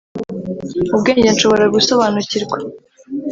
ubwenge nshobora gusobanukirwa